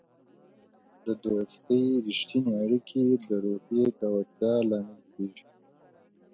د دوستی رښتیني اړیکې د روحیې پیاوړتیا لامل کیږي.